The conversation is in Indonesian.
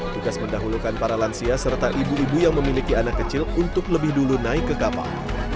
tugas mendahulukan para lansia serta ibu ibu yang memiliki anak kecil untuk lebih dulu naik ke kapal